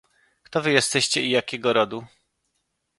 "Kto wy jesteście i jakiego rodu?"